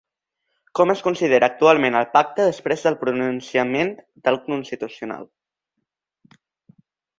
Com es considera actualment el pacte després del pronunciament del constitucional?